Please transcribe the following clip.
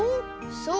そう！